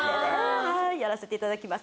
・やらせていただきます。・